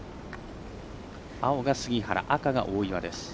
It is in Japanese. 青が杉原、赤が大岩です。